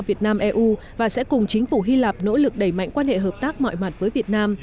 việt nam eu và sẽ cùng chính phủ hy lạp nỗ lực đẩy mạnh quan hệ hợp tác mọi mặt với việt nam